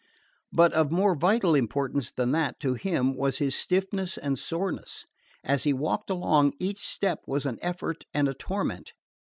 But of more vital importance than that, to him, was his stiffness and soreness. As he walked along, each step was an effort and a torment.